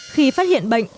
khi phát hiện bệnh